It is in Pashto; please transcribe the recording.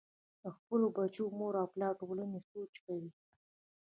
د خپلو بچو مور و پلار او ټولنې سوچ کوئ -